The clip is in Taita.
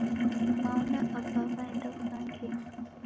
Mao na Aba waenda wughangenyi